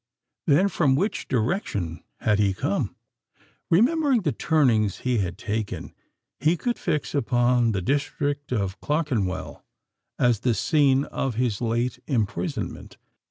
Then, from which direction had he come? Remembering the turnings he had taken, he could fix upon the district of Clerkenwell as the scene of his late imprisonment.